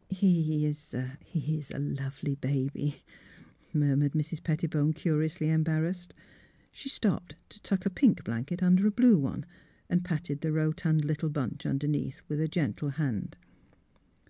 '' He — he's a lovely baby," murmured Mrs. Pettibone, curiously embarrassed. She stopped to tuck a pink blanket under a blue one, and pat the rotund little bunch beneath with a gentle hand.